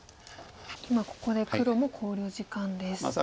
今ここで黒も考慮時間です。